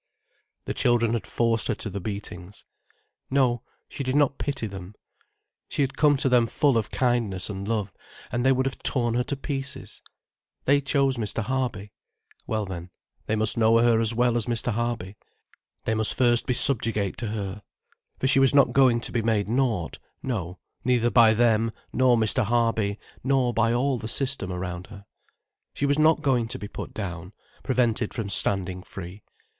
The children had forced her to the beatings. No, she did not pity them. She had come to them full of kindness and love, and they would have torn her to pieces. They chose Mr. Harby. Well then, they must know her as well as Mr. Harby, they must first be subjugate to her. For she was not going to be made nought, no, neither by them, nor by Mr. Harby, nor by all the system around her. She was not going to be put down, prevented from standing free.